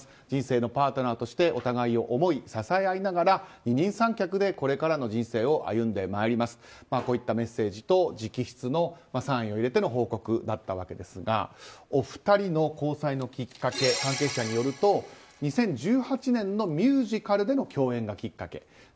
人生のパートナーとしてお互いを思い、支え合いながら二人三脚でこれからの人生を歩んでまいりますというこういったメッセージと直筆のサインを入れての報告だったわけですがお二人の交際のきっかけ関係者によると２０１８年のミュージカルでの共演がきっかけ。